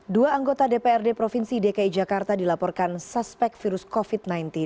dua anggota dprd provinsi dki jakarta dilaporkan suspek virus covid sembilan belas